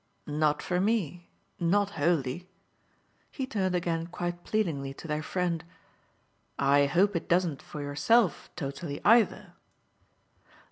Not for me not wholly." He turned again quite pleadingly to their friend. "I hope it doesn't for yourself totally either?"